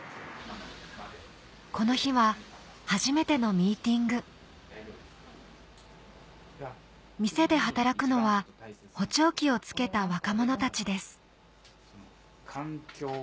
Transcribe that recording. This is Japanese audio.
この日は初めてのミーティング店で働くのは補聴器をつけた若者たちです